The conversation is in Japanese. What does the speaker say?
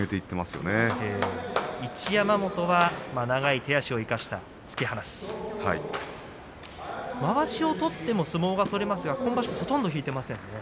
一山本は長い手足を生かした突き放しまわしを取っても相撲は取れますが、今場所ほとんど引いていませんね。